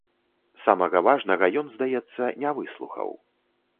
Самага важнага ён, здаецца, не выслухаў.